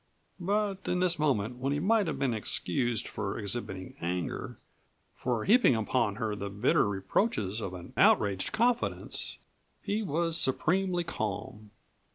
But in this moment, when he might have been excused for exhibiting anger; for heaping upon her the bitter reproaches of an outraged confidence, he was supremely calm.